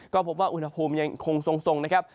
ก็พบว่าอุณหภูมิยังคงทรงนะครับ